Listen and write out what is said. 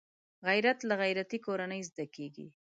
غیرت له غیرتي کورنۍ زده کېږي